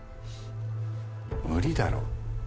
無理だろ。